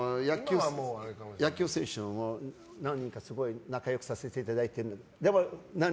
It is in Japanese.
野球選手も何人か仲良くさせていただいている。